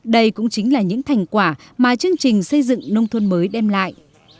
đây cũng chính là những thành quả mà chương trình xây dựng nông thuần mới đem đến